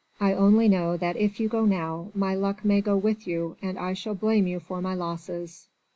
"I only know that if you go now, my luck may go with you and I shall blame you for my losses."